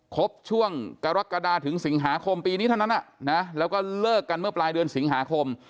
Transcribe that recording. ครบช่วงกรกฎาถึงสิงหาคมปีนี้เท่านั้นแล้วก็เลิกกันเมื่อปลายเดือนสิงหาคม